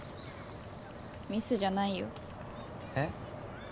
ミスじゃないよえっ？